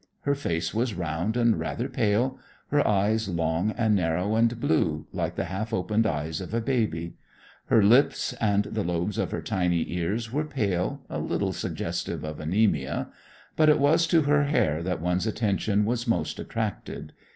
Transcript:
Her face was round and rather pale; her eyes long and narrow and blue, like the half opened eyes of a baby; her lips and the lobes of her tiny ears were pale, a little suggestive of anaemia. But it was to her hair that one's attention was most attracted.